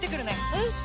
うん！